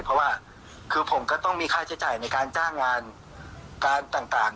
เพราะว่าคือผมก็ต้องมีค่าใช้จ่ายในการจ้างงานการต่าง